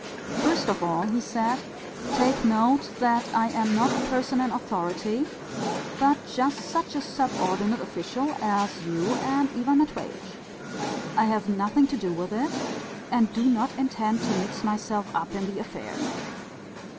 "First of all," he said, "take note that I am not a person in authority, but just such a subordinate official as you and Ivan Matveitch.... I have nothing to do with it, and do not intend to mix myself up in the affair."